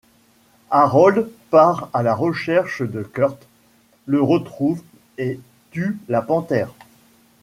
Harold part à la recherche de Curt, le retrouve et tue la panthère.